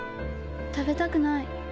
食べたくない。